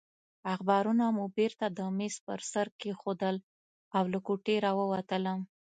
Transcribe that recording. اخبارونه مې بېرته د مېز پر سر کېښودل او له کوټې راووتلم.